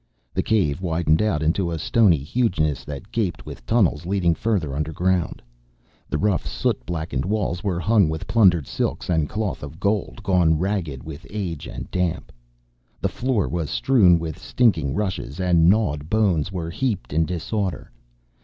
The cave widened out into a stony hugeness that gaped with tunnels leading further underground. The rough, soot blackened walls were hung with plundered silks and cloth of gold, gone ragged with age and damp; the floor was strewn with stinking rushes, and gnawed bones were heaped in disorder.